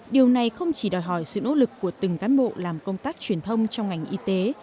điều này không chỉ đòi hỏi sự nỗ lực của từng cán bộ làm công tác truyền thông trong ngành y tế